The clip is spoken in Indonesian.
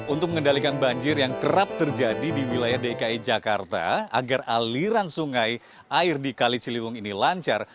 untuk mengendalikan banjir yang kerap terjadi di wilayah dki jakarta agar aliran sungai air di kali ciliwung ini lancar